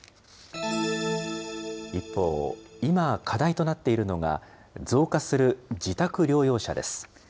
一方、今課題となっているのが、増加する自宅療養者です。